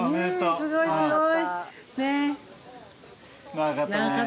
すごい、すごい。